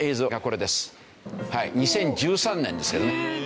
２０１３年ですけどね